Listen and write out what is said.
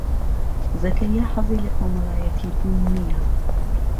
زەکەریا حەزی لە کۆمەڵایەتیبوون نییە.